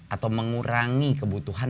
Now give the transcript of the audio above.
atau mengurangi kebutuhan